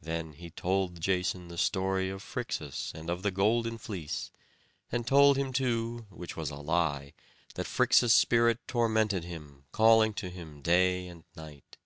Then he told Jason the story of Phrixus, and of the golden fleece; and told him, too, which was a lie, that Phrixus's spirit tormented him, calling to him day and night.